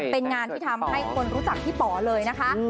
เป็นงานที่ทำให้คนรู้จักพี่ป๋อเลยนะคะ